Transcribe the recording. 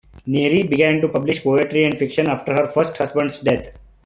Nery began to publish poetry and fiction after her first husband's death.